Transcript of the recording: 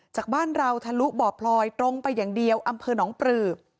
จากบ้านเราทะลุบ่อพลอยตรงไปอย่างเดียวอำเภอหนองปลือ